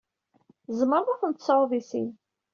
Tzemreḍ ad ten-tesɛuḍ i sin.